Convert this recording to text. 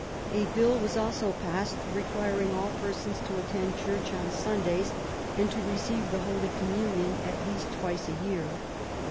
^ Bill was also passed requiring all persons to attend .Church on Sundays, and to receive the Holy Communion at least twice a year.